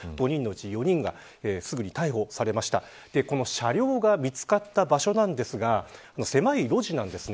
車両が見つかった場所なんですが狭い路地なんです。